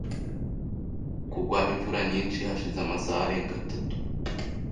Yatangiye kugwa imvura nyinshi hashize amasaha arenga atatu.